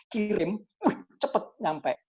kirim cepet nyampe